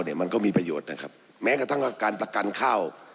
มันก็มีประโยชน์นะครับแม้กระทั่งการประกันข้าว